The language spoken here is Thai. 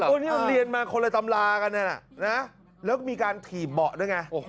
วันนี้เราเรียนมาคนละตำรากันแล้วก็มีการถีบเบาะด้วยไง